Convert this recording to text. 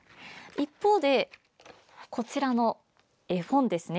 一方で、こちらの絵本ですね。